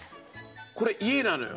これ家なのよ。